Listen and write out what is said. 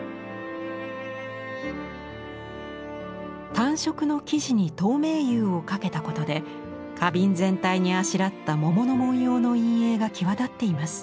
単色の生地に透明釉をかけたことで花瓶全体にあしらった桃の文様の陰影が際立っています。